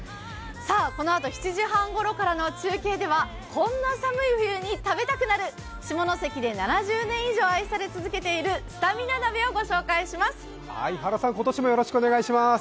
このあと７時半ごろからの中継ではこんな寒い冬に食べたくなる、下関で７０年以上、愛され続けているスタミナ鍋をご紹介します。